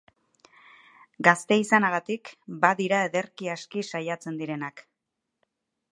Gazte izanagatik, badira ederki aski saiatzen direnak.